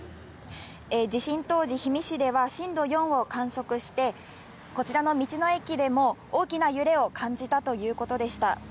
地震当時、氷見市では震度４を観測して、こちらの道の駅でも大きな揺れを感じたということでした。